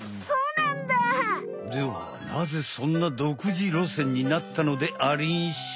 ではなぜそんなどくじろせんになったのでありんしょ？